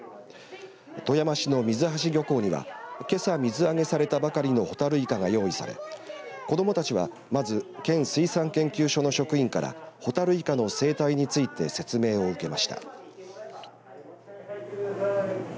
富山市の水橋漁港にはけさ水揚げされたばかりのほたるいかが用意され子どもたちはまず県水産研究所の職員からほたるいかの生態について説明を受けました。